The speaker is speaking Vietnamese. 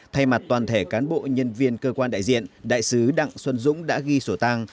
thay mặt toàn thể cán bộ nhân viên cơ quan đại diện đại sứ đặng xuân dũng đã ghi sổ tăng